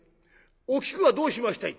お菊はどうしましたい？」。